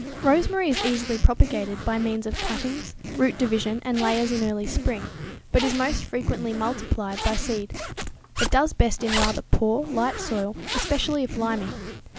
_ Rosemary is easily propagated by means of cuttings, root division and layers in early spring, but is most frequently multiplied by seed. It does best in rather poor, light soil, especially if limy.